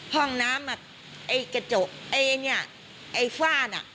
ห้องน้ำอ่ะไอ้กระจกไอ้เนี่ยไอ้ฝ้าน่ะ